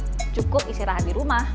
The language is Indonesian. jangan lupa untuk berpikir pikir di rumah